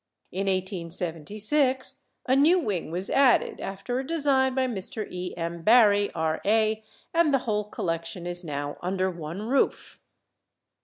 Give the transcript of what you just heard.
In 1876 a new wing was added, after a design by Mr. E. M. Barry, R.A., and the whole collection is now under one roof.